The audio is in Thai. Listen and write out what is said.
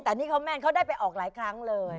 แต่นี่เขาแม่นเขาได้ไปออกหลายครั้งเลย